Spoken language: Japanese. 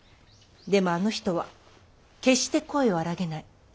でもあの人は決して声を荒げない。